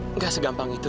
nek gak segampang itu